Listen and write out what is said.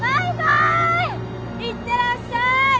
行ってらっしゃい！